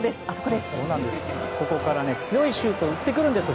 ここから強いシュートを打ってくるんですよ